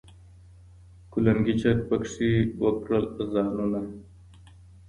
کلنګي چرګ پکښي وکړل آذانونه